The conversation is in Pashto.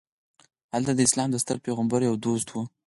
هلته د اسلام د ستر پیغمبر یو دوست و.